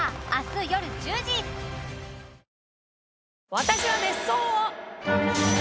私は別荘を。